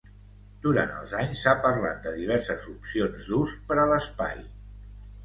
Durant els anys, s'ha parlat de diverses opcions d'ús per a l'espai.